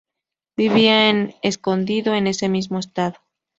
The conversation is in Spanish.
Vivía en Escondido, en ese mismo estado.